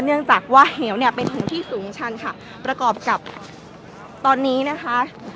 เนื่องจากว่าเหวเนี่ยเป็นถึงที่สูงชันค่ะประกอบกับตอนนี้นะคะ